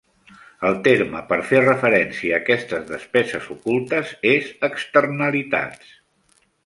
El terme per fer referència a aquestes despeses ocultes és "Externalitats".